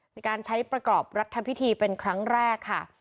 ในการใช้ประกอบรัฐพิธีเป็นครั้งแรกค่ะ